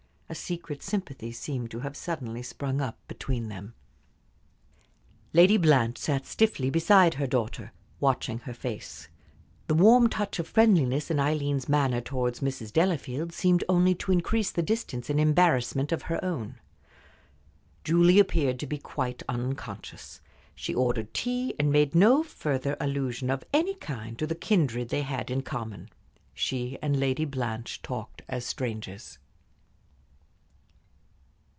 A secret sympathy seemed to have suddenly sprung up between them. Lady Blanche sat stiffly beside her daughter, watching her face. The warm touch of friendliness in Aileen's manner towards Mrs. Delafield seemed only to increase the distance and embarrassment of her own. Julie appeared to be quite unconscious. She ordered tea, and made no further allusion of any kind to the kindred they had in common. She and Lady Blanche talked as strangers.